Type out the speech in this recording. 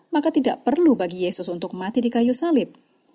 maka tidak perlu bagi yesus untuk mati di kayu salib